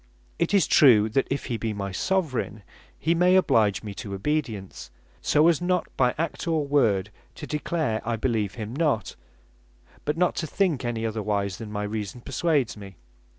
It is true, that if he be my Soveraign, he may oblige me to obedience, so, as not by act or word to declare I beleeve him not; but not to think any otherwise then my reason perswades me.